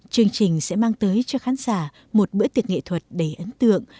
chương trình sẽ mang tới cho khán giả một bữa tiệc nghệ thuật đầy ấn tượng